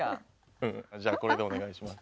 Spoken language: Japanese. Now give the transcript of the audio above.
じゃあこれでお願いします。